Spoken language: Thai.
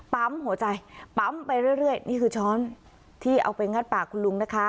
ปั๊มหัวใจปั๊มไปเรื่อยนี่คือช้อนที่เอาไปงัดปากคุณลุงนะคะ